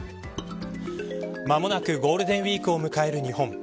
間もなくゴールデンウイークを迎える日本。